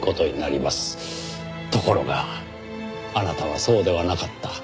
ところがあなたはそうではなかった。